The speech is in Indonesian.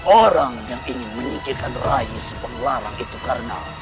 orang yang ingin menyingkirkan rakyat subanglarang itu karena